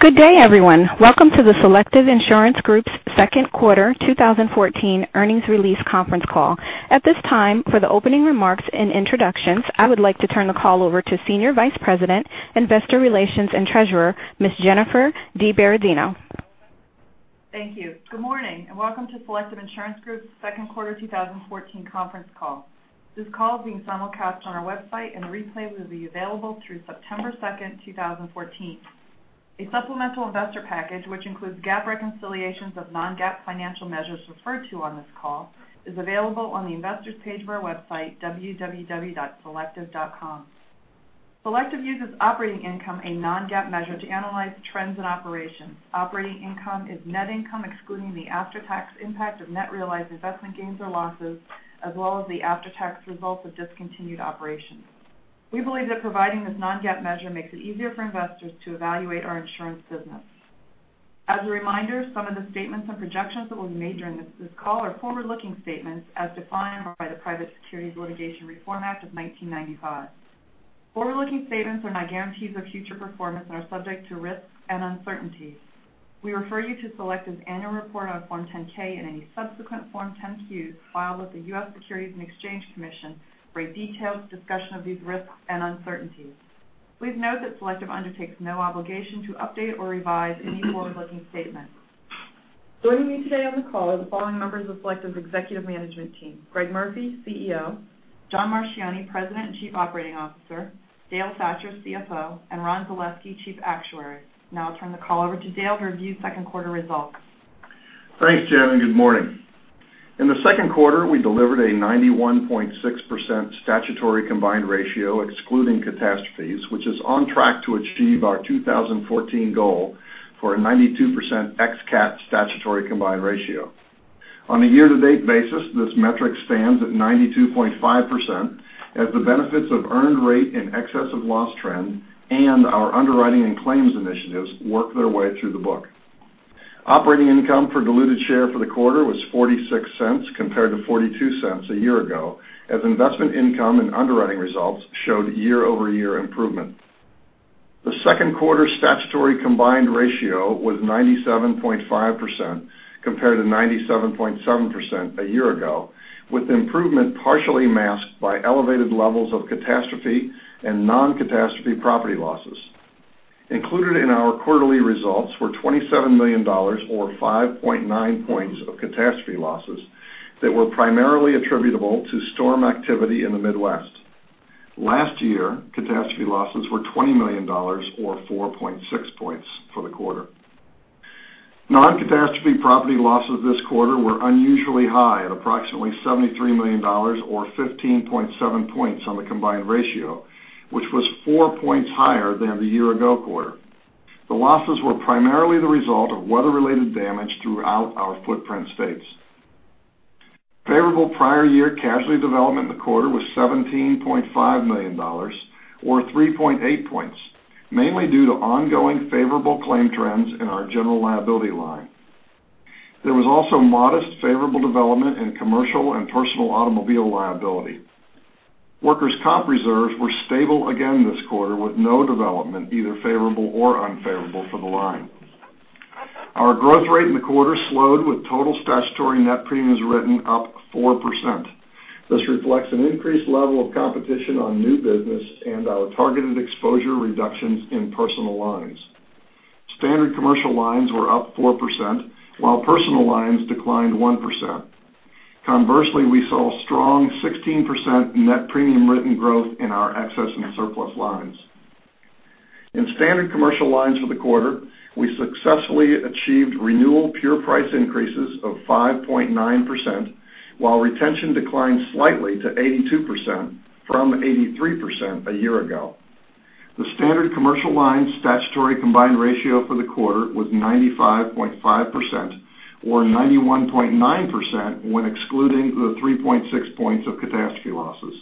Good day, everyone. Welcome to the Selective Insurance Group's second quarter 2014 earnings release conference call. At this time, for the opening remarks and introductions, I would like to turn the call over to Senior Vice President, Investor Relations and Treasurer, Ms. Jennifer DiBerardino. Thank you. Good morning, and welcome to Selective Insurance Group's second quarter 2014 conference call. This call is being simulcast on our website, and a replay will be available through September 2nd, 2014. A supplemental investor package, which includes GAAP reconciliations of non-GAAP financial measures referred to on this call, is available on the investor's page of our website, www.selective.com. Selective uses operating income, a non-GAAP measure, to analyze trends in operations. Operating income is net income excluding the after-tax impact of net realized investment gains or losses, as well as the after-tax results of discontinued operations. We believe that providing this non-GAAP measure makes it easier for investors to evaluate our insurance business. As a reminder, some of the statements and projections that we'll be making in this call are forward-looking statements as defined by the Private Securities Litigation Reform Act of 1995. Forward-looking statements are not guarantees of future performance and are subject to risks and uncertainties. We refer you to Selective's annual report on Form 10-K and any subsequent Form 10-Qs filed with the U.S. Securities and Exchange Commission for a detailed discussion of these risks and uncertainties. Please note that Selective undertakes no obligation to update or revise any forward-looking statements. Joining me today on the call are the following members of Selective's executive management team: Greg Murphy, CEO; John Marchioni, President and Chief Operating Officer; Dale Thatcher, CFO; and Ron Zaleski, Chief Actuary. I'll turn the call over to Dale to review second quarter results. Thanks, Jen, and good morning. In the second quarter, we delivered a 91.6% statutory combined ratio excluding catastrophes, which is on track to achieve our 2014 goal for a 92% ex-cat statutory combined ratio. On a year-to-date basis, this metric stands at 92.5% as the benefits of earned rate in excess of loss trend and our underwriting and claims initiatives work their way through the book. Operating income per diluted share for the quarter was $0.46 compared to $0.42 a year ago, as investment income and underwriting results showed year-over-year improvement. The second quarter statutory combined ratio was 97.5% compared to 97.7% a year ago, with improvement partially masked by elevated levels of catastrophe and non-catastrophe property losses. Included in our quarterly results were $27 million, or 5.9 points of catastrophe losses that were primarily attributable to storm activity in the Midwest. Last year, catastrophe losses were $20 million, or 4.6 points for the quarter. Non-catastrophe property losses this quarter were unusually high at approximately $73 million or 15.7 points on the combined ratio, which was 4 points higher than the year-ago quarter. The losses were primarily the result of weather-related damage throughout our footprint states. Favorable prior year casualty development in the quarter was $17.5 million or 3.8 points, mainly due to ongoing favorable claim trends in our general liability line. There was also modest favorable development in commercial and personal automobile liability. Workers' comp reserves were stable again this quarter with no development, either favorable or unfavorable, for the line. Our growth rate in the quarter slowed with total statutory net premiums written up 4%. This reflects an increased level of competition on new business and our targeted exposure reductions in personal lines. Standard commercial lines were up 4%, while personal lines declined 1%. Conversely, we saw strong 16% net premium written growth in our excess and surplus lines. In standard commercial lines for the quarter, we successfully achieved renewal pure price increases of 5.9%, while retention declined slightly to 82% from 83% a year ago. The standard commercial lines statutory combined ratio for the quarter was 95.5%, or 91.9% when excluding the 3.6 points of catastrophe losses.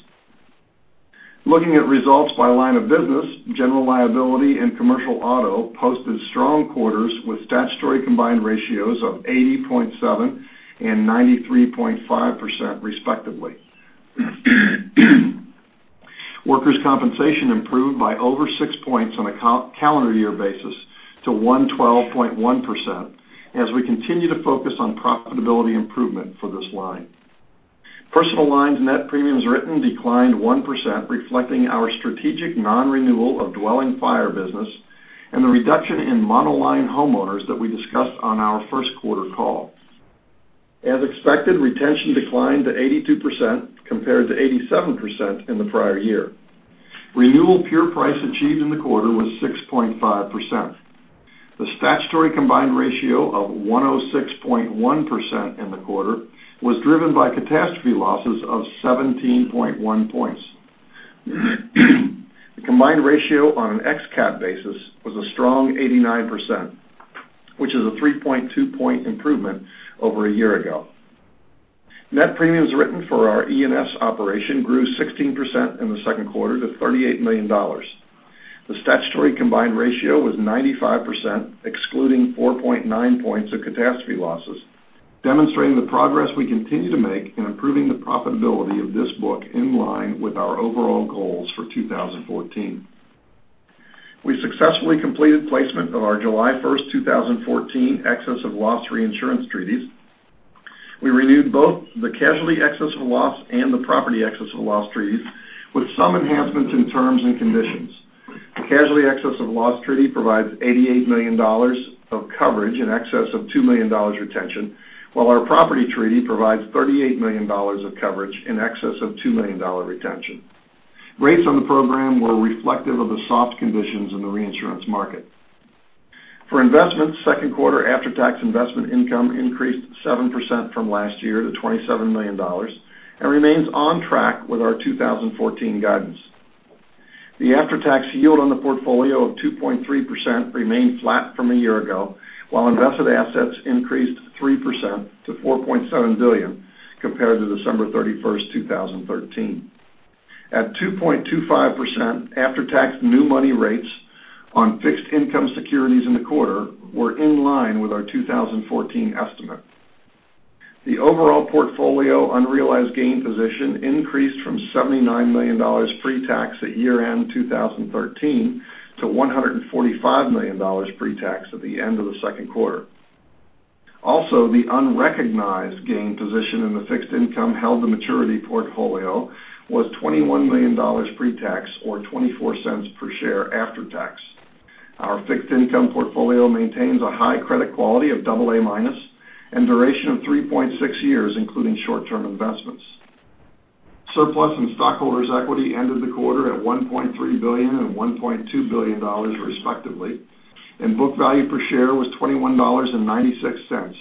Looking at results by line of business, general liability and commercial auto posted strong quarters with statutory combined ratios of 80.7% and 93.5% respectively. Workers' compensation improved by over 6 points on a calendar year basis to 112.1% as we continue to focus on profitability improvement for this line. Personal lines net premiums written declined 1%, reflecting our strategic non-renewal of dwelling fire business and the reduction in monoline homeowners that we discussed on our first quarter call. As expected, retention declined to 82% compared to 87% in the prior year. Renewal pure price achieved in the quarter was 6.5%. The statutory combined ratio of 106.1% in the quarter was driven by catastrophe losses of 17.1 points. The combined ratio on an ex-cat basis was a strong 89%, which is a 3.2-point improvement over a year ago. Net premiums written for our E&S operation grew 16% in the second quarter to $38 million. The statutory combined ratio was 95%, excluding 4.9 points of catastrophe losses. Demonstrating the progress we continue to make in improving the profitability of this book in line with our overall goals for 2014. We successfully completed placement of our July 1st, 2014 excess of loss reinsurance treaties. We renewed both the casualty excess of loss and the property excess of loss treaties with some enhancements in terms and conditions. The casualty excess of loss treaty provides $88 million of coverage in excess of $2 million retention, while our property treaty provides $38 million of coverage in excess of $2 million retention. Rates on the program were reflective of the soft conditions in the reinsurance market. For investments, second quarter after-tax investment income increased 7% from last year to $27 million and remains on track with our 2014 guidance. The after-tax yield on the portfolio of 2.3% remained flat from a year ago, while invested assets increased 3% to $4.7 billion compared to December 31st, 2013. At 2.25%, after-tax new money rates on fixed income securities in the quarter were in line with our 2014 estimate. The overall portfolio unrealized gain position increased from $79 million pre-tax at year-end 2013 to $145 million pre-tax at the end of the second quarter. Also, the unrecognized gain position in the fixed income held to maturity portfolio was $21 million pre-tax, or $0.24 per share after tax. Our fixed income portfolio maintains a high credit quality of AA- and duration of 3.6 years, including short-term investments. Surplus and stockholders' equity ended the quarter at $1.3 billion and $1.2 billion, respectively, and book value per share was $21.96,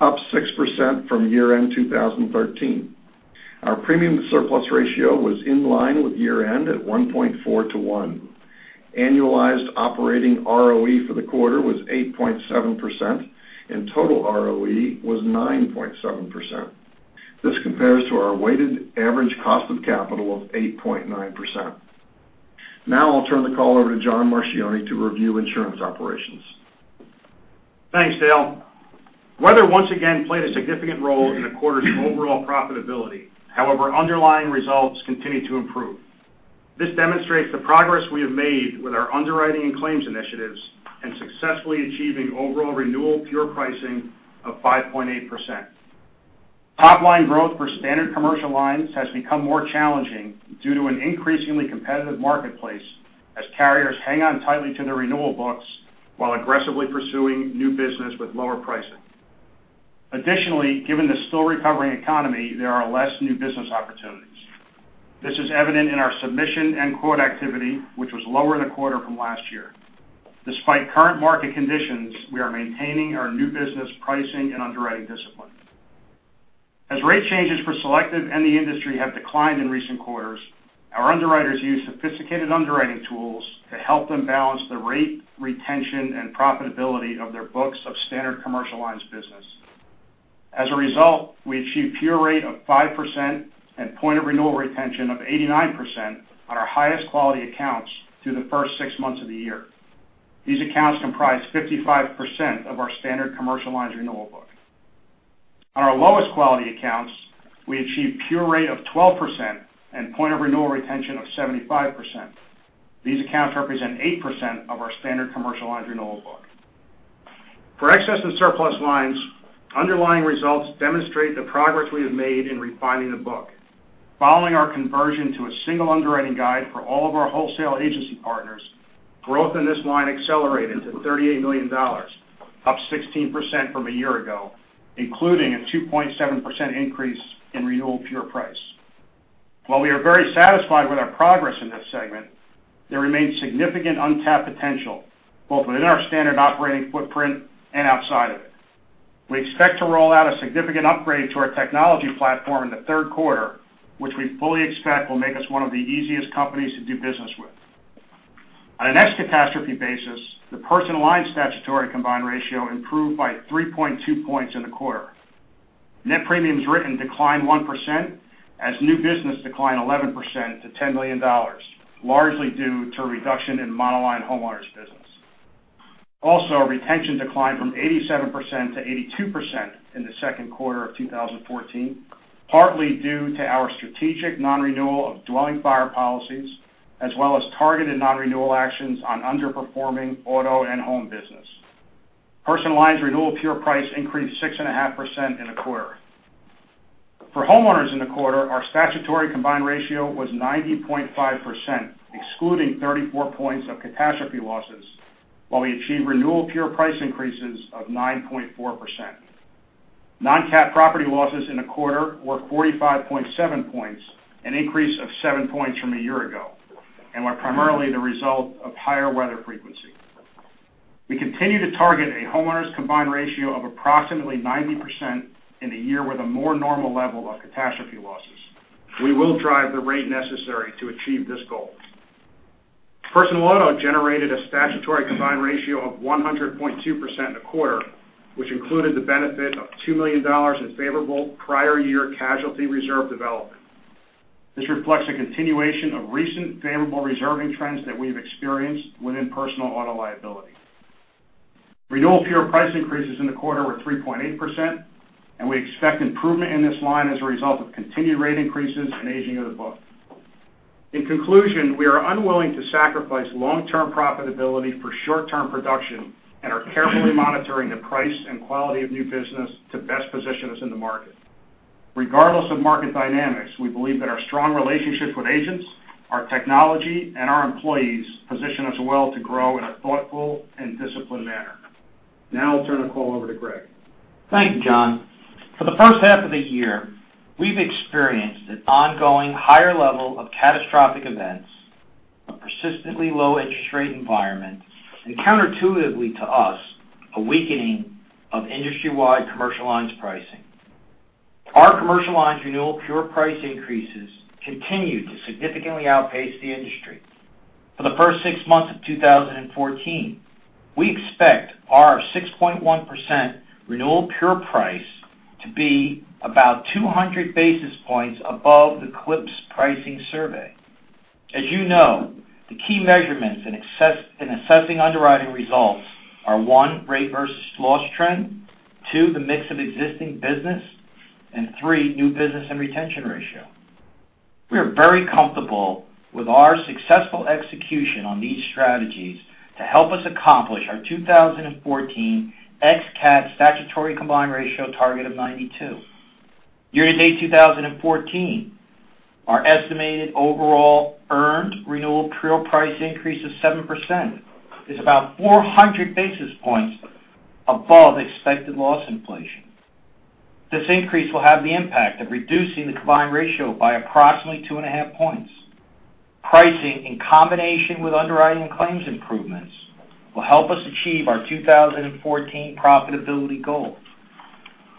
up 6% from year-end 2013. Our premium-to-surplus ratio was in line with year-end at 1.4 to 1. Annualized operating ROE for the quarter was 8.7%, and total ROE was 9.7%. This compares to our Weighted Average Cost of Capital of 8.9%. I'll turn the call over to John Marchioni to review insurance operations. Thanks, Dale. Weather once again played a significant role in the quarter's overall profitability. Underlying results continue to improve. This demonstrates the progress we have made with our underwriting and claims initiatives and successfully achieving overall renewal pure pricing of 5.8%. Top-line growth for standard commercial lines has become more challenging due to an increasingly competitive marketplace as carriers hang on tightly to their renewal books while aggressively pursuing new business with lower pricing. Given the still recovering economy, there are less new business opportunities. This is evident in our submission and quote activity, which was lower in the quarter from last year. We are maintaining our new business pricing and underwriting discipline. As rate changes for Selective and the industry have declined in recent quarters, our underwriters use sophisticated underwriting tools to help them balance the rate, retention, and profitability of their books of standard commercial lines business. As a result, we achieve pure rate of 5% and point of renewal retention of 89% on our highest quality accounts through the first six months of the year. These accounts comprise 55% of our standard commercial lines renewal book. On our lowest quality accounts, we achieve pure rate of 12% and point of renewal retention of 75%. These accounts represent 8% of our standard commercial lines renewal book. For excess and surplus lines, underlying results demonstrate the progress we have made in refining the book. Following our conversion to a single underwriting guide for all of our wholesale agency partners, growth in this line accelerated to $38 million, up 16% from a year ago, including a 2.7% increase in renewal pure price. While we are very satisfied with our progress in this segment, there remains significant untapped potential, both within our standard operating footprint and outside of it. We expect to roll out a significant upgrade to our technology platform in the third quarter, which we fully expect will make us one of the easiest companies to do business with. On a net catastrophe basis, the personal lines statutory combined ratio improved by 3.2 points in the quarter. Net premiums written declined 1% as new business declined 11% to $10 million, largely due to a reduction in monoline homeowners business. Our retention declined from 87% to 82% in the second quarter of 2014, partly due to our strategic non-renewal of dwelling fire policies, as well as targeted non-renewal actions on underperforming auto and home business. Personal lines renewal pure price increased 6.5% in the quarter. For homeowners in the quarter, our statutory combined ratio was 90.5%, excluding 34 points of catastrophe losses, while we achieved renewal pure price increases of 9.4%. Non-cat property losses in the quarter were 45.7 points, an increase of seven points from a year ago, and were primarily the result of higher weather frequency. We continue to target a homeowner's combined ratio of approximately 90% in a year with a more normal level of catastrophe losses. We will drive the rate necessary to achieve this goal. Personal auto generated a statutory combined ratio of 100.2% in the quarter, which included the benefit of $2 million in favorable prior year casualty reserve development. This reflects a continuation of recent favorable reserving trends that we've experienced within personal auto liability. Renewal pure price increases in the quarter were 3.8%, and we expect improvement in this line as a result of continued rate increases and aging of the book. In conclusion, we are unwilling to sacrifice long-term profitability for short-term production and are carefully monitoring the price and quality of new business to best position us in the market. Regardless of market dynamics, we believe that our strong relationships with agents, our technology, and our employees position us well to grow in a thoughtful and disciplined manner. Now I'll turn the call over to Greg. Thank you, John. For the first half of the year, we've experienced an ongoing higher level of catastrophic events, a persistently low interest rate environment, and counterintuitively to us, a weakening of industry-wide commercial lines pricing. Our commercial lines renewal pure price increases continue to significantly outpace the industry. For the first six months of 2014, we expect our 6.1% renewal pure price to be about 200 basis points above the CLIPS pricing survey. As you know, the key measurements in assessing underwriting results are, one, rate versus loss trend, two, the mix of existing business, and three, new business and retention ratio. We are very comfortable with our successful execution on these strategies to help us accomplish our 2014 ex-cat statutory combined ratio target of 92. Year-to-date 2014, our estimated overall earned renewal pure price increase of 7%, is about 400 basis points above expected loss inflation. This increase will have the impact of reducing the combined ratio by approximately 2.5 points. Pricing in combination with underwriting claims improvements will help us achieve our 2014 profitability goal.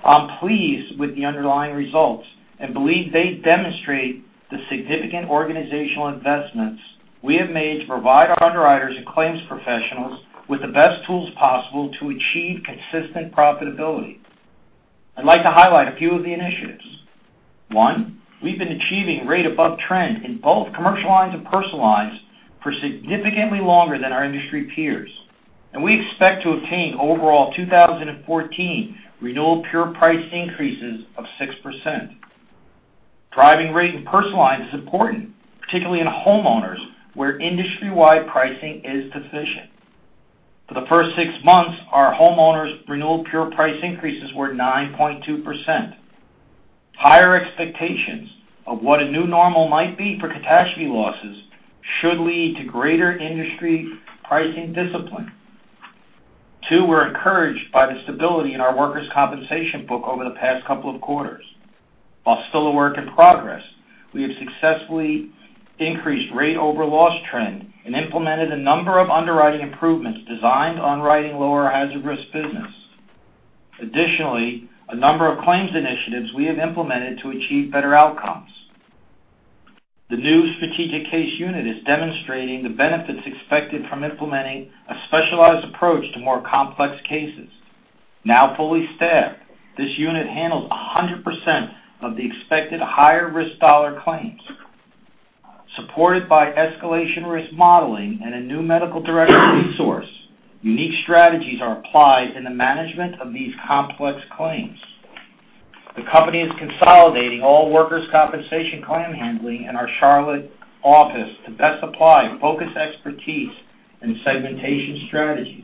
I'm pleased with the underlying results and believe they demonstrate the significant organizational investments we have made to provide our underwriters and claims professionals with the best tools possible to achieve consistent profitability. I'd like to highlight a few of the initiatives. One, we've been achieving rate above trend in both commercial lines and personal lines for significantly longer than our industry peers, and we expect to obtain overall 2014 renewal pure price increases of 6%. Driving rate in personal lines is important, particularly in homeowners, where industry-wide pricing is deficient. For the first 6 months, our homeowners renewal pure price increases were 9.2%. Higher expectations of what a new normal might be for catastrophe losses should lead to greater industry pricing discipline. Two, we're encouraged by the stability in our workers' compensation book over the past couple of quarters. While still a work in progress, we have successfully increased rate over loss trend and implemented a number of underwriting improvements designed to underwrite lower hazard risk business. Additionally, a number of claims initiatives we have implemented to achieve better outcomes. The new strategic case unit is demonstrating the benefits expected from implementing a specialized approach to more complex cases. Now fully staffed, this unit handles 100% of the expected higher risk dollar claims. Supported by escalation risk modeling and a new medical directory source, unique strategies are applied in the management of these complex claims. The company is consolidating all workers' compensation claim handling in our Charlotte office to best apply focused expertise and segmentation strategies.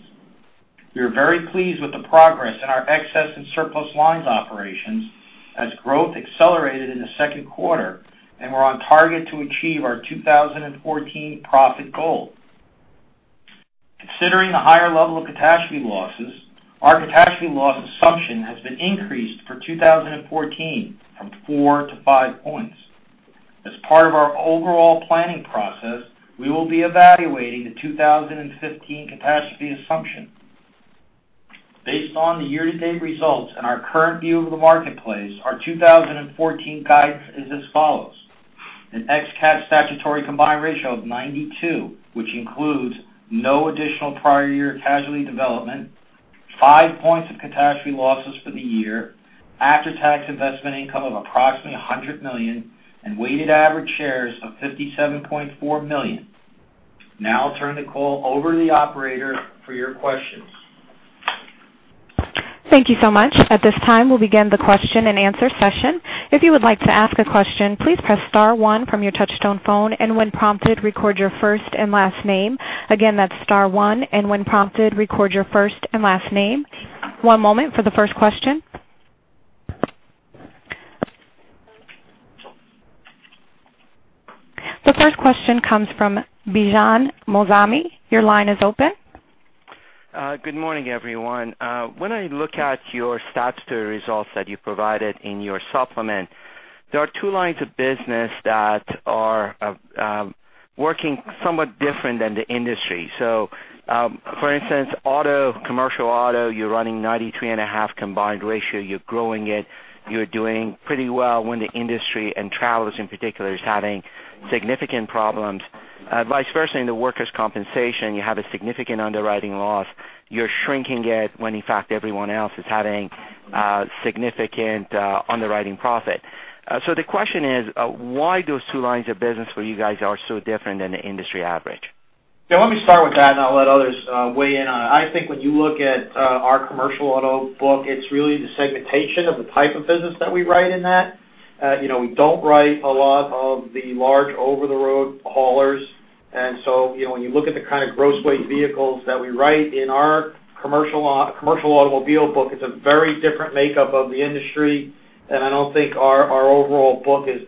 We are very pleased with the progress in our excess and surplus lines operations as growth accelerated in the second quarter, and we're on target to achieve our 2014 profit goal. Considering the higher level of catastrophe losses, our catastrophe loss assumption has been increased for 2014 from 4 to 5 points. As part of our overall planning process, we will be evaluating the 2015 catastrophe assumption. Based on the year-to-date results and our current view of the marketplace, our 2014 guidance is as follows. An ex-cat statutory combined ratio of 92, which includes no additional prior year casualty development, 5 points of catastrophe losses for the year, after-tax investment income of approximately $100 million, and weighted average shares of 57.4 million. Now I'll turn the call over to the operator for your questions. Thank you so much. At this time, we'll begin the question and answer session. If you would like to ask a question, please press star one from your touch tone phone, and when prompted, record your first and last name. Again, that's star one, and when prompted, record your first and last name. One moment for the first question. The first question comes from Bijan Moazami. Your line is open. Good morning, everyone. When I look at your statutory results that you provided in your supplement, there are two lines of business that are working somewhat different than the industry. For instance, commercial auto, you're running 93.5 combined ratio. You're growing it. You're doing pretty well when the industry and Travelers in particular is having significant problems. Vice versa in the workers' compensation, you have a significant underwriting loss. You're shrinking it when in fact, everyone else is having significant underwriting profit. The question is, why those two lines of business for you guys are so different than the industry average? Yeah, let me start with that, and I'll let others weigh in on it. I think when you look at our commercial auto book, it's really the segmentation of the type of business that we write in that. We don't write a lot of the large over-the-road haulers. When you look at the kind of gross weight vehicles that we write in our commercial automobile book, it's a very different makeup of the industry, and I don't think our overall book is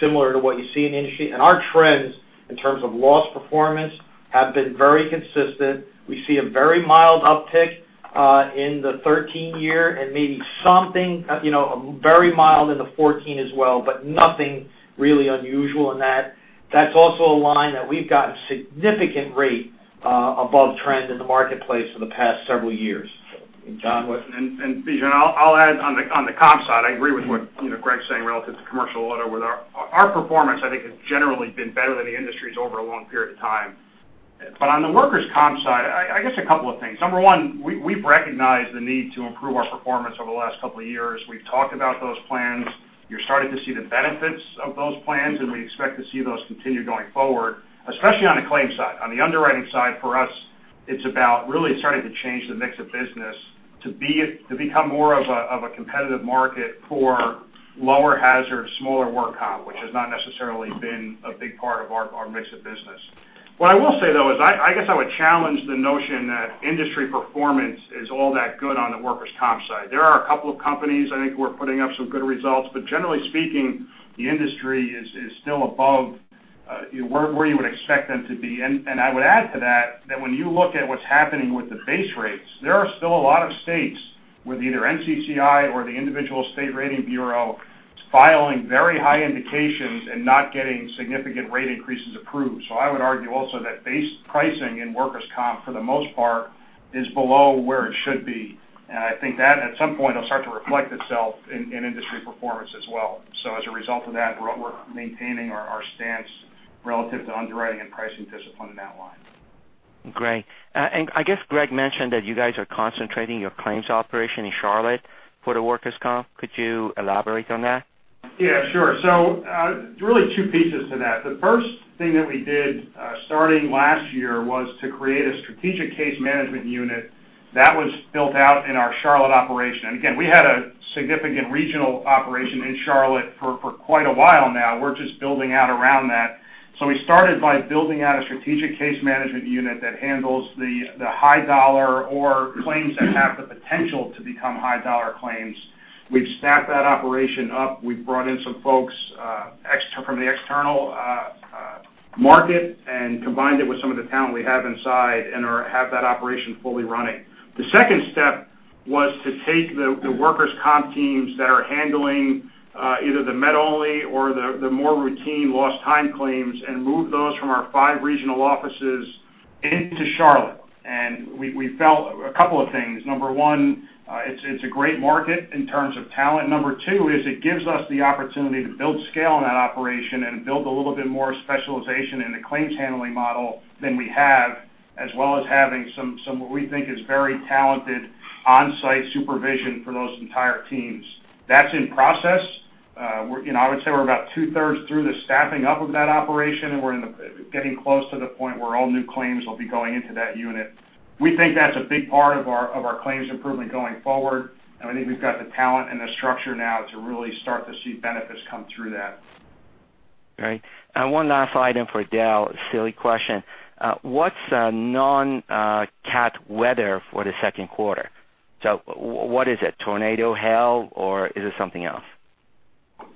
similar to what you see in the industry. Our trends, in terms of loss performance, have been very consistent. We see a very mild uptick in the 2013 year and maybe something very mild in the 2014 as well, but nothing really unusual in that. That's also a line that we've gotten significant rate above trend in the marketplace for the past several years. John? Bijan, I'll add on the comp side, I agree with what Greg's saying relative to commercial auto. With our performance, I think has generally been better than the industry's over a long period of time. On the workers' comp side, I guess a couple of things. Number one, we've recognized the need to improve our performance over the last couple of years. We've talked about those plans. You're starting to see the benefits of those plans, and we expect to see those continue going forward, especially on the claims side. On the underwriting side, for us, it's about really starting to change the mix of business to become more of a competitive market for lower hazard, smaller work comp, which has not necessarily been a big part of our mix of business. What I will say, though, is I guess I would challenge the notion that industry performance is all that good on the workers' comp side. There are a couple of companies, I think, who are putting up some good results, but generally speaking, the industry is still above where you would expect them to be. I would add to that when you look at what's happening with the base rates, there are still a lot of states with either NCCI or the individual state rating bureau filing very high indications and not getting significant rate increases approved. I would argue also that base pricing in workers' comp, for the most part, is below where it should be. I think that at some point will start to reflect itself in industry performance as well. As a result of that, we're maintaining our stance relative to underwriting and pricing discipline in that line. Great. I guess Greg mentioned that you guys are concentrating your claims operation in Charlotte for the workers' comp. Could you elaborate on that? Yeah, sure. Really two pieces to that. The first thing that we did, starting last year, was to create a strategic case management unit that was built out in our Charlotte operation. Again, we had a significant regional operation in Charlotte for quite a while now. We're just building out around that. We started by building out a strategic case management unit that handles the high-dollar or claims that have the potential to become high-dollar claims. We've staffed that operation up. We've brought in some folks from the external market and combined it with some of the talent we have inside and have that operation fully running. The second step was to take the workers' comp teams that are handling either the med-only or the more routine lost time claims and move those from our five regional offices into Charlotte. We felt a couple of things. Number one, it's a great market in terms of talent. Number two is it gives us the opportunity to build scale in that operation and build a little bit more specialization in the claims handling model than we have, as well as having some, what we think is very talented on-site supervision for those entire teams. That's in process. I would say we're about two-thirds through the staffing up of that operation, and we're getting close to the point where all new claims will be going into that unit. We think that's a big part of our claims improvement going forward, and I think we've got the talent and the structure now to really start to see benefits come through that. Great. One last item for Dale. Silly question. What's non-cat weather for the second quarter? What is it? Tornado, hail, or is it something else?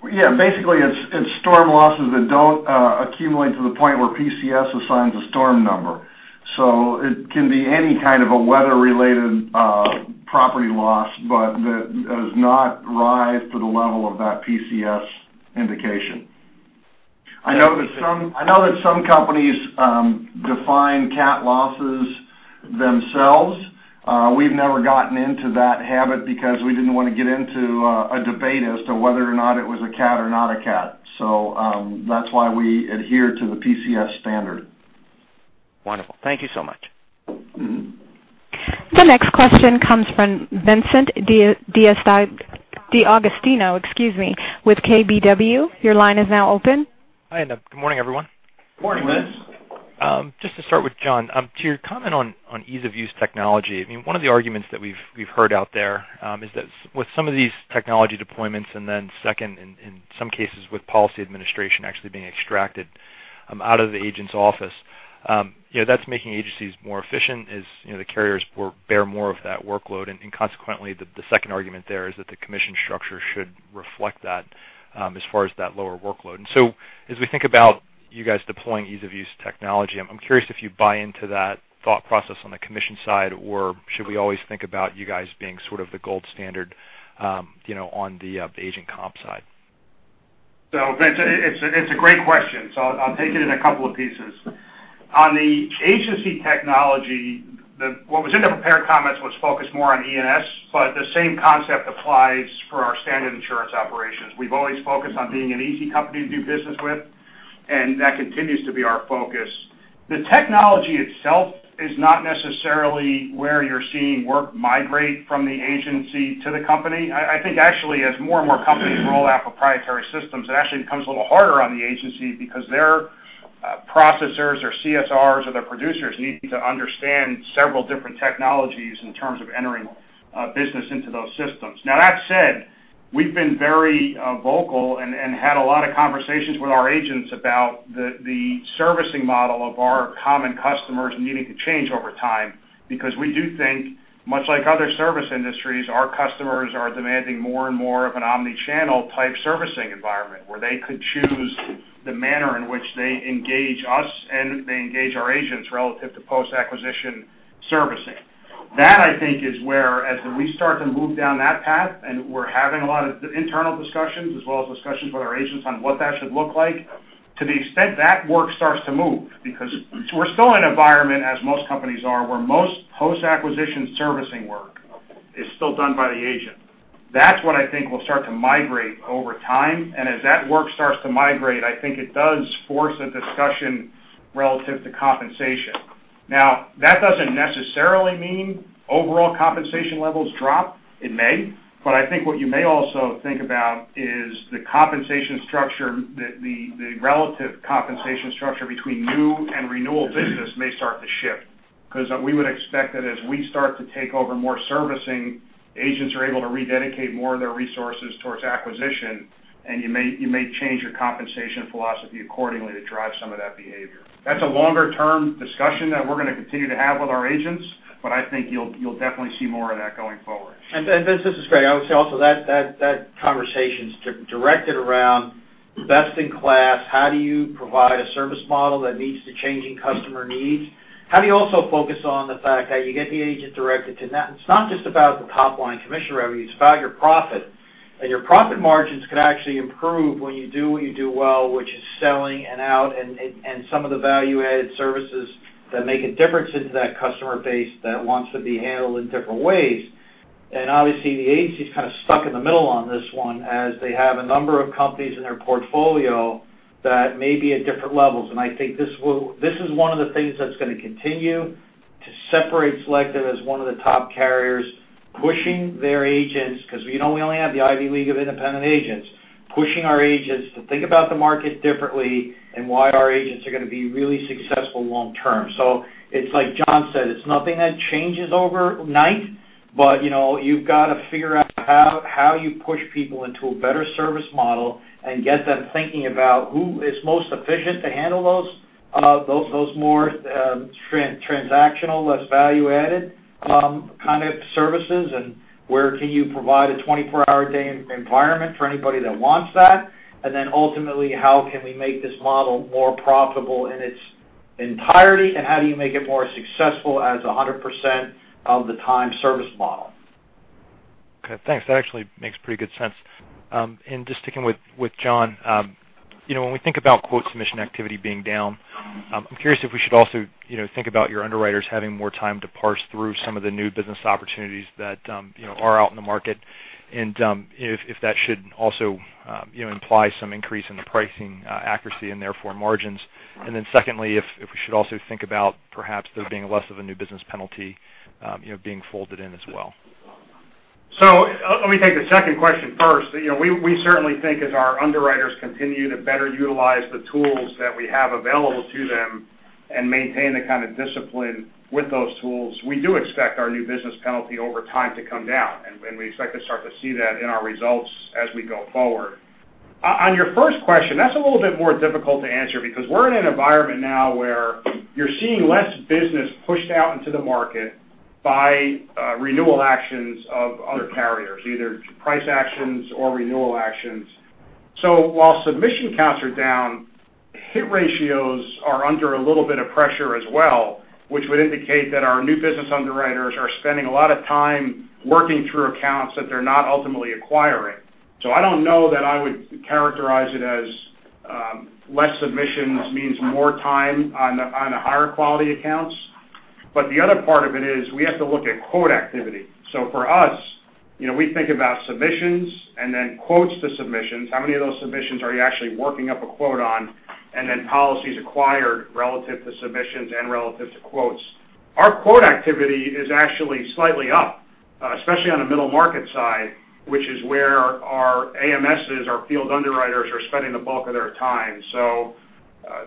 Basically, it's storm losses that don't accumulate to the point where PCS assigns a storm number. It can be any kind of a weather-related property loss, but that does not rise to the level of that PCS indication. I know that some companies define cat losses themselves. We've never gotten into that habit because we didn't want to get into a debate as to whether or not it was a cat or not a cat. That's why we adhere to the PCS standard. Wonderful. Thank you so much. The next question comes from Vincent D'Agostino with KBW. Your line is now open. Hi, good morning, everyone. Morning, Vince. Just to start with John, to your comment on ease-of-use technology, one of the arguments that we've heard out there is that with some of these technology deployments, then second, in some cases with policy administration actually being extracted out of the agent's office, that's making agencies more efficient as the carriers bear more of that workload. Consequently, the second argument there is that the commission structure should reflect that as far as that lower workload. So as we think about you guys deploying ease-of-use technology, I'm curious if you buy into that thought process on the commission side, or should we always think about you guys being sort of the gold standard on the agent comp side? Vincent, it's a great question, so I'll take it in a couple of pieces. On the agency technology, what was in the prepared comments was focused more on E&S, but the same concept applies for our standard insurance operations. We've always focused on being an easy company to do business with, and that continues to be our focus. The technology itself is not necessarily where you're seeing work migrate from the agency to the company. I think actually, as more and more companies roll out proprietary systems, it actually becomes a little harder on the agency because their processors or CSRs or their producers need to understand several different technologies in terms of entering business into those systems. That said, we've been very vocal and had a lot of conversations with our agents about the servicing model of our common customers needing to change over time. We do think, much like other service industries, our customers are demanding more and more of an omni-channel type servicing environment, where they could choose the manner in which they engage us and they engage our agents relative to post-acquisition servicing. That, I think, is where as we start to move down that path, and we're having a lot of internal discussions as well as discussions with our agents on what that should look like, to the extent that work starts to move. We're still in an environment, as most companies are, where most post-acquisition servicing work is still done by the agent. That's what I think will start to migrate over time. As that work starts to migrate, I think it does force a discussion relative to compensation. That doesn't necessarily mean overall compensation levels drop. It may. I think what you may also think about is the relative compensation structure between new and renewal business may start to shift, because we would expect that as we start to take over more servicing, agents are able to rededicate more of their resources towards acquisition, and you may change your compensation philosophy accordingly to drive some of that behavior. That's a longer-term discussion that we're going to continue to have with our agents, but I think you'll definitely see more of that going forward. Vince, this is Greg. I would say also, that conversation is directed around best in class, how do you provide a service model that meets the changing customer needs? How do you also focus on the fact that you get the agent directed to that? It is not just about the top-line commission revenue, it is about your profit. Your profit margins could actually improve when you do what you do well, which is selling and out and some of the value-added services that make a difference into that customer base that wants to be handled in different ways. Obviously, the agency is kind of stuck in the middle on this one, as they have a number of companies in their portfolio that may be at different levels. I think this is one of the things that is going to continue to separate Selective as one of the top carriers, pushing their agents, because we only have the Ivy League of independent agents, pushing our agents to think about the market differently and why our agents are going to be really successful long term. It is like John said, it is nothing that changes overnight, but you've got to figure out how you push people into a better service model and get them thinking about who is most efficient to handle those more transactional, less value-added kind of services, and where can you provide a 24-hour-a-day environment for anybody that wants that. Ultimately, how can we make this model more profitable in its entirety, and how do you make it more successful as 100% of the time service model? Okay, thanks. That actually makes pretty good sense. Just sticking with John, when we think about quote submission activity being down, I am curious if we should also think about your underwriters having more time to parse through some of the new business opportunities that are out in the market, and if that should also imply some increase in the pricing accuracy and therefore margins. Secondly, if we should also think about perhaps there being less of a new business penalty being folded in as well. Let me take the second question first. We certainly think as our underwriters continue to better utilize the tools that we have available to them and maintain the kind of discipline with those tools, we do expect our new business penalty over time to come down. We expect to start to see that in our results as we go forward. On your first question, that is a little bit more difficult to answer because we are in an environment now where you are seeing less business pushed out into the market by renewal actions of other carriers, either price actions or renewal actions. While submission counts are down, hit ratios are under a little bit of pressure as well, which would indicate that our new business underwriters are spending a lot of time working through accounts that they are not ultimately acquiring. I don't know that I would characterize it as less submissions means more time on the higher quality accounts. The other part of it is we have to look at quote activity. For us, we think about submissions and then quotes to submissions. How many of those submissions are you actually working up a quote on? Policies acquired relative to submissions and relative to quotes. Our quote activity is actually slightly up, especially on the middle market side, which is where our AMSs, our field underwriters, are spending the bulk of their time.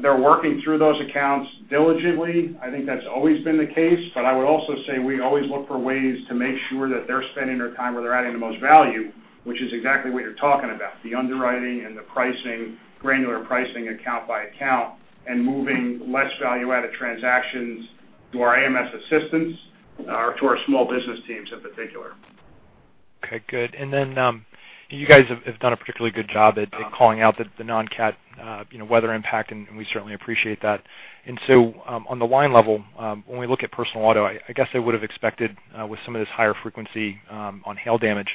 They're working through those accounts diligently. I think that's always been the case. I would also say we always look for ways to make sure that they're spending their time where they're adding the most value, which is exactly what you're talking about, the underwriting and the pricing, granular pricing account by account, and moving less value-added transactions to our AMS assistants or to our small business teams in particular. Okay, good. Then you guys have done a particularly good job at calling out the non-cat weather impact, and we certainly appreciate that. On the line level, when we look at personal auto, I guess I would've expected with some of this higher frequency on hail damage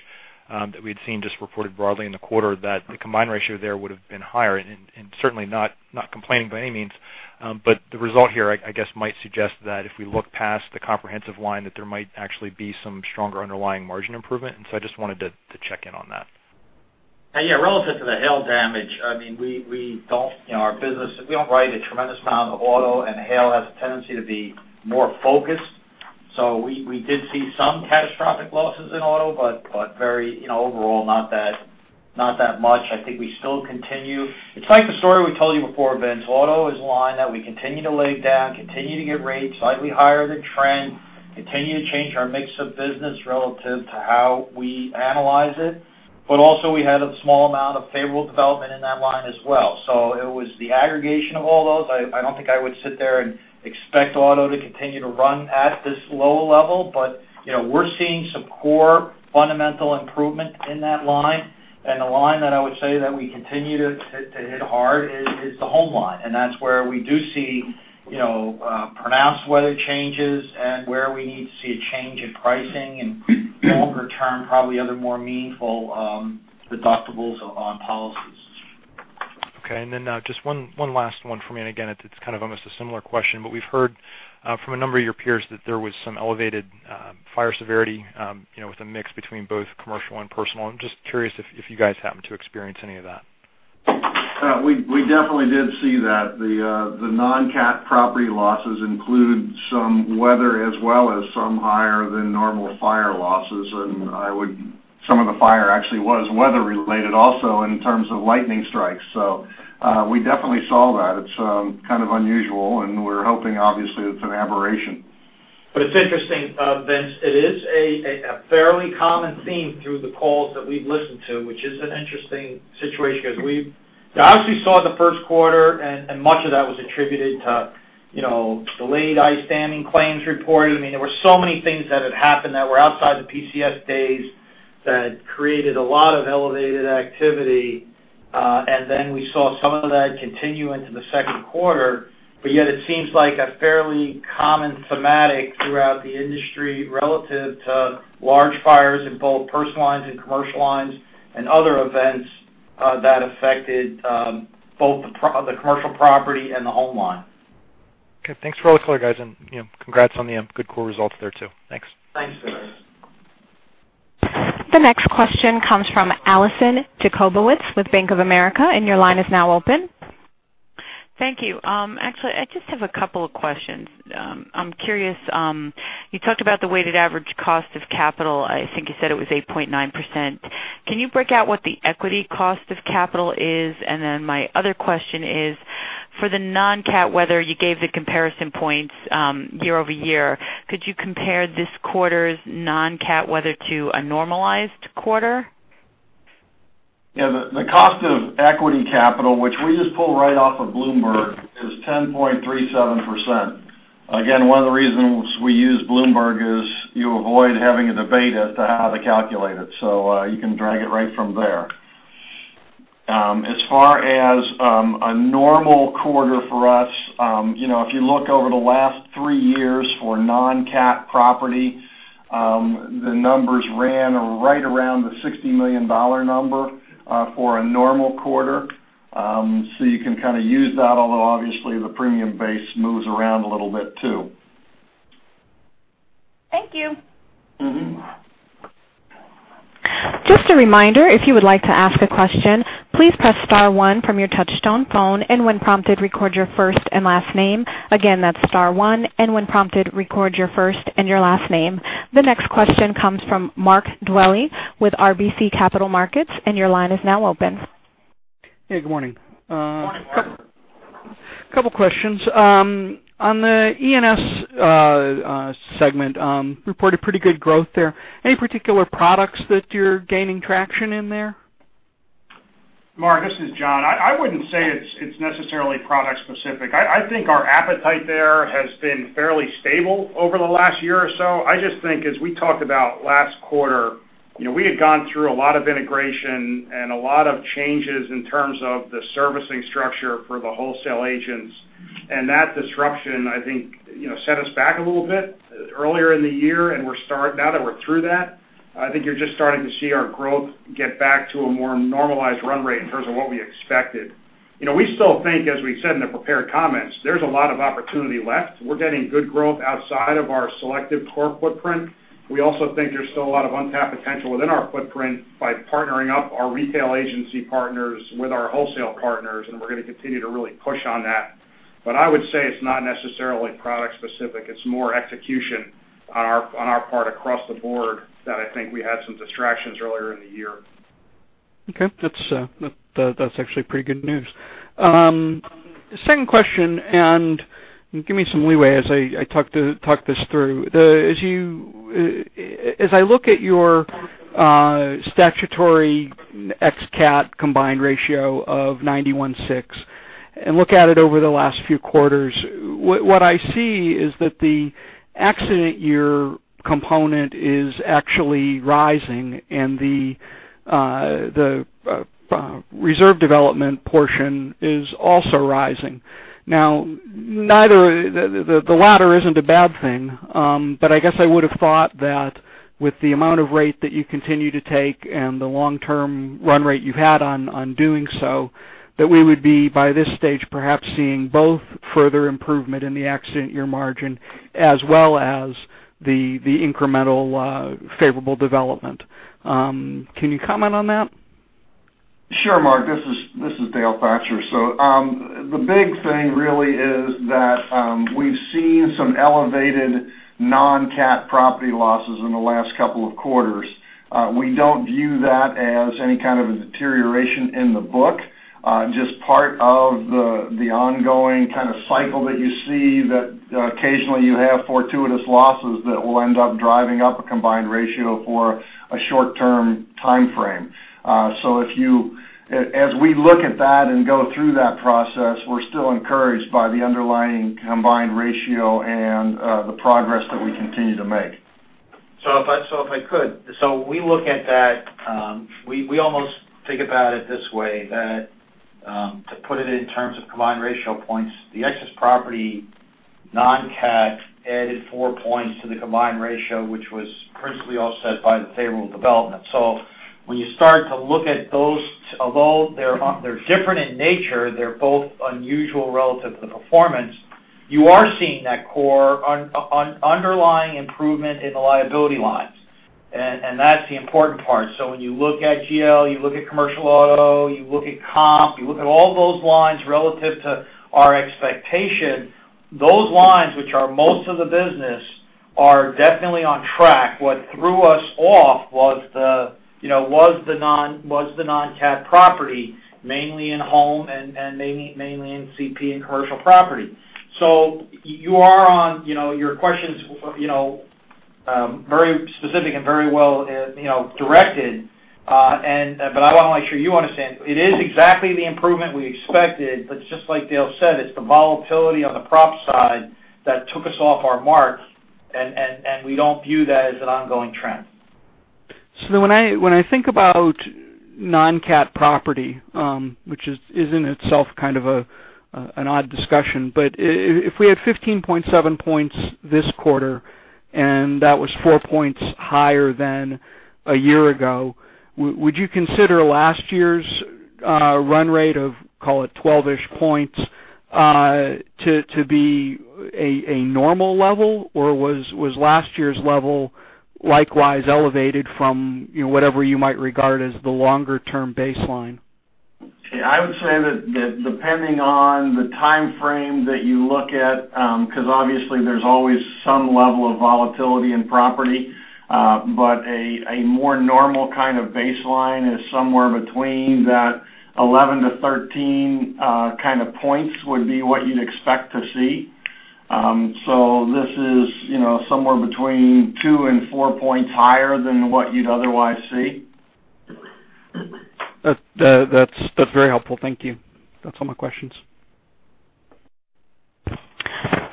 that we'd seen just reported broadly in the quarter, that the combined ratio there would've been higher, and certainly not complaining by any means. The result here, I guess, might suggest that if we look past the comprehensive line, that there might actually be some stronger underlying margin improvement. I just wanted to check in on that. Yeah. Relative to the hail damage, our business, we don't write a tremendous amount of auto, and hail has a tendency to be more focused. We did see some catastrophic losses in auto, very overall, not that much. I think we still continue. It's like the story we told you before, Vince. Auto is a line that we continue to lay down, continue to get rates slightly higher than trend, continue to change our mix of business relative to how we analyze it. Also we had a small amount of favorable development in that line as well. It was the aggregation of all those. I don't think I would sit there and expect auto to continue to run at this low level, we're seeing some core fundamental improvement in that line. The line that I would say that we continue to hit hard is the home line, and that's where we do see pronounced weather changes and where we need to see a change in pricing and longer term, probably other more meaningful deductibles on policies. Okay. Just one last one for me, and again, it's kind of almost a similar question, but we've heard from a number of your peers that there was some elevated fire severity with a mix between both commercial and personal. I'm just curious if you guys happened to experience any of that. We definitely did see that. The non-cat property losses include some weather as well as some higher than normal fire losses, and some of the fire actually was weather related also in terms of lightning strikes. We definitely saw that. It's kind of unusual, and we're hoping, obviously, it's an aberration. It's interesting, Vince. It is a fairly common theme through the calls that we've listened to, which is an interesting situation because we obviously saw the first quarter and much of that was attributed to delayed ice damming claims reporting. There were so many things that had happened that were outside the PCS days that created a lot of elevated activity. We saw some of that continue into the second quarter. It seems like a fairly common thematic throughout the industry relative to large fires in both personal lines and commercial lines and other events that affected both the commercial property and the home line. Okay. Thanks for all the color, guys, and congrats on the good core results there too. Thanks. Thanks, Vince. The next question comes from Allison Jacobowitz with Bank of America, and your line is now open. Thank you. Actually, I just have a couple of questions. I'm curious, you talked about the weighted average cost of capital. I think you said it was 8.9%. Can you break out what the equity cost of capital is? My other question is, for the non-cat weather, you gave the comparison points year-over-year. Could you compare this quarter's non-cat weather to a normalized quarter? Yeah. The cost of equity capital, which we just pull right off of Bloomberg, is 10.37%. Again, one of the reasons we use Bloomberg is you avoid having a debate as to how to calculate it. You can drag it right from there. As far as a normal quarter for us, if you look over the last three years for non-cat property, the numbers ran right around the $60 million number for a normal quarter. You can kind of use that, although obviously the premium base moves around a little bit too. Thank you. Just a reminder, if you would like to ask a question, please press star one from your touchtone phone, and when prompted, record your first and last name. Again, that's star one, and when prompted, record your first and your last name. The next question comes from Mark Dwelle with RBC Capital Markets, your line is now open. Hey, good morning. Morning, Mark. Couple questions. On the E&S segment, reported pretty good growth there. Any particular products that you're gaining traction in there? Mark, this is John. I wouldn't say it's necessarily product specific. I think our appetite there has been fairly stable over the last year or so. I just think as we talked about last quarter, we had gone through a lot of integration and a lot of changes in terms of the servicing structure for the wholesale agents. That disruption, I think, set us back a little bit earlier in the year, and now that we're through that, I think you're just starting to see our growth get back to a more normalized run rate in terms of what we expected. We still think, as we said in the prepared comments, there's a lot of opportunity left. We're getting good growth outside of our Selective core footprint. We also think there's still a lot of untapped potential within our footprint by partnering up our retail agency partners with our wholesale partners, and we're going to continue to really push on that. I would say it's not necessarily product specific. It's more execution on our part across the board that I think we had some distractions earlier in the year. Okay. That's actually pretty good news. Second question, give me some leeway as I talk this through. As I look at your statutory ex-cat combined ratio of 91.6 Look at it over the last few quarters. What I see is that the accident year component is actually rising, and the reserve development portion is also rising. The latter isn't a bad thing, I guess I would have thought that with the amount of rate that you continue to take and the long-term run rate you've had on doing so, that we would be, by this stage, perhaps seeing both further improvement in the accident year margin as well as the incremental favorable development. Can you comment on that? Sure, Mark. This is Dale Thatcher. The big thing really is that we've seen some elevated non-cat property losses in the last couple of quarters. We don't view that as any kind of a deterioration in the book, just part of the ongoing kind of cycle that you see, that occasionally you have fortuitous losses that will end up driving up a combined ratio for a short-term timeframe. As we look at that and go through that process, we're still encouraged by the underlying combined ratio and the progress that we continue to make. If I could. We look at that, we almost think about it this way, that to put it in terms of combined ratio points, the excess property non-cat added 4 points to the combined ratio, which was principally offset by the favorable development. When you start to look at those, although they're different in nature, they're both unusual relative to the performance. You are seeing that core underlying improvement in the liability lines, and that's the important part. When you look at GL, you look at commercial auto, you look at comp, you look at all those lines relative to our expectation, those lines, which are most of the business, are definitely on track. What threw us off was the non-cat property, mainly in home and mainly in CP and commercial property. Your question's very specific and very well directed, but I want to make sure you understand. It is exactly the improvement we expected. Just like Dale said, it's the volatility on the prop side that took us off our mark, and we don't view that as an ongoing trend. When I think about non-cat property, which is in itself kind of an odd discussion, but if we had 15.7 points this quarter, and that was 4 points higher than a year ago, would you consider last year's run rate of, call it, 12-ish points to be a normal level, or was last year's level likewise elevated from whatever you might regard as the longer-term baseline? I would say that depending on the timeframe that you look at, because obviously there's always some level of volatility in property, but a more normal kind of baseline is somewhere between that 11 to 13 kind of points would be what you'd expect to see. This is somewhere between 2 and 4 points higher than what you'd otherwise see. That's very helpful. Thank you. That's all my questions.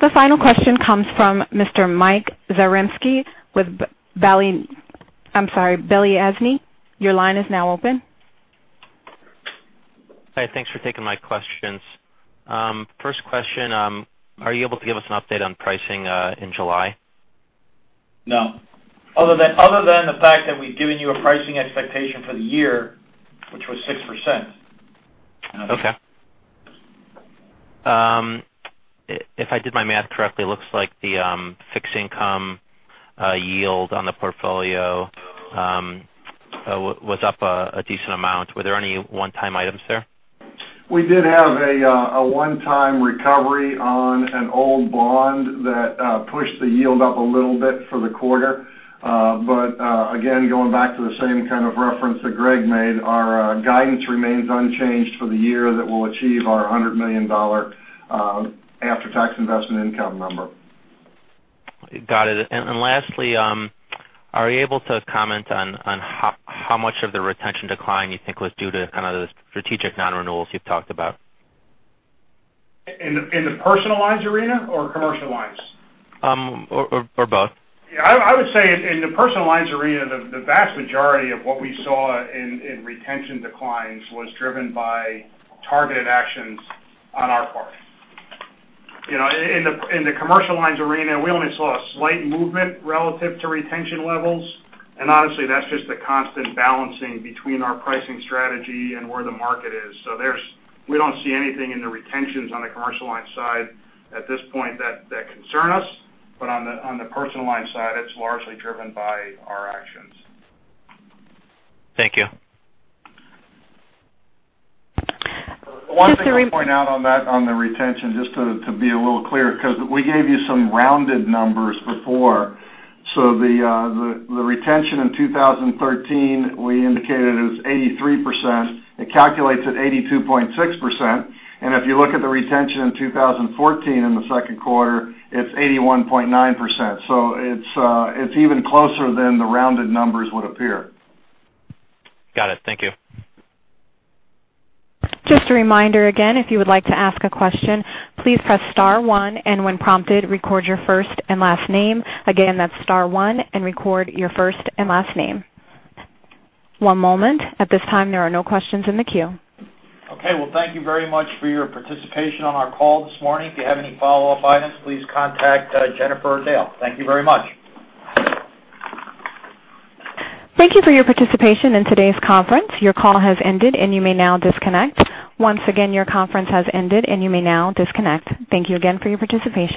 The final question comes from Mr. Michael Zaremski with Balyasny, I'm sorry, Balyasny. Your line is now open. Hi. Thanks for taking my questions. First question, are you able to give us an update on pricing in July? No. Other than the fact that we've given you a pricing expectation for the year, which was 6%. Okay. If I did my math correctly, looks like the fixed income yield on the portfolio was up a decent amount. Were there any one-time items there? We did have a one-time recovery on an old bond that pushed the yield up a little bit for the quarter. Again, going back to the same kind of reference that Greg made, our guidance remains unchanged for the year that we'll achieve our $100 million after-tax investment income number. Got it. Lastly, are you able to comment on how much of the retention decline you think was due to kind of the strategic non-renewals you've talked about? In the personal lines arena or commercial lines? Both. I would say in the personal lines arena, the vast majority of what we saw in retention declines was driven by targeted actions on our part. In the commercial lines arena, we only saw a slight movement relative to retention levels. Honestly, that's just the constant balancing between our pricing strategy and where the market is. We don't see anything in the retentions on the commercial lines side at this point that concern us. On the personal lines side, it's largely driven by our actions. Thank you. Just a re- One thing I'll point out on that, on the retention, just to be a little clear, because we gave you some rounded numbers before. The retention in 2013, we indicated it was 83%. It calculates at 82.6%. If you look at the retention in 2014, in the second quarter, it's 81.9%. It's even closer than the rounded numbers would appear. Got it. Thank you. Just a reminder again, if you would like to ask a question, please press star one, and when prompted, record your first and last name. Again, that's star one, and record your first and last name. One moment. At this time, there are no questions in the queue. Okay. Well, thank you very much for your participation on our call this morning. If you have any follow-up items, please contact Jennifer or Dale. Thank you very much. Thank you for your participation in today's conference. Your call has ended, and you may now disconnect. Once again, your conference has ended, and you may now disconnect. Thank you again for your participation